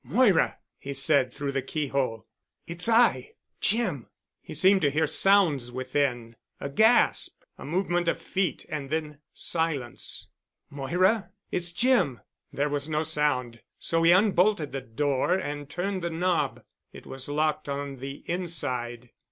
"Moira!" he said through the key hole. "It's I—Jim." He seemed to hear sounds within, a gasp, a movement of feet and then silence. "Moira—it's Jim." There was no sound, so he unbolted the door and turned the knob. It was locked on the inside.